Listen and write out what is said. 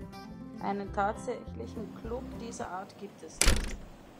Einen tatsächlichen Club dieser Art gibt es nicht.